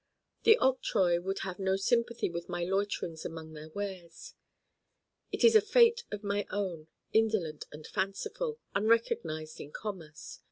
The octroi would have no sympathy with my loiterings among their wares. It is a fête of my own, indolent and fanciful, unrecognized in commerce.